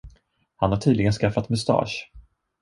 Han har tydligen skaffat mustasch.